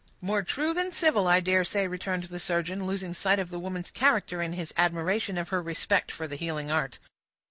"More true than civil, I dare say," returned the surgeon, losing sight of the woman's character in his admiration of her respect for the healing art.